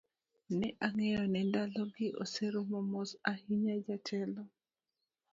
Ok ne ang'eyo ni ndalo gi oserumo, mos ahinya jatelo: